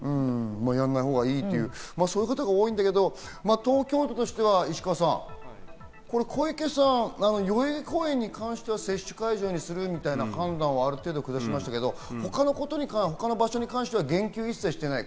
やらないほうがいいという方が多いんだろうけど、東京都としては石川さん、小池さん、代々木公園に関しては接種会場にするみたいな判断をある程度下しましたけど、他の場所に関しては言及を一切してない。